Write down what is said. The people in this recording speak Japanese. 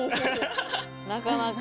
なかなか。